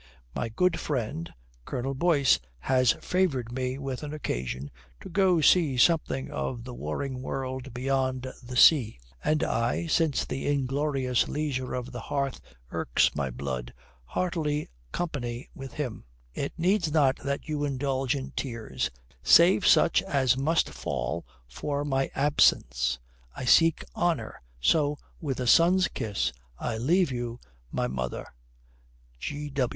My good friend, Colonel Boyce, has favoured me with an occasion to go see something of the warring world beyond the sea. And I, since the inglorious leisure of the hearth irks my blood, heartily company with him. It needs not that you indulge in tears, save such as must fall for my absence. I seek honour. So, with a son's kiss, I leave you, my mother.